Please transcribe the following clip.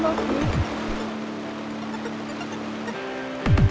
gue nungguin waktu